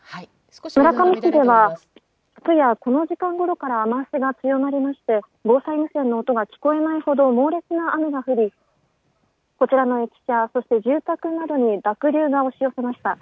村上市では昨夜この時間ごろから雨脚が強まりまして防災無線の音が聞こえないほど猛烈な雨が降りこちらの駅舎、そして住宅などに濁流が押し寄せました。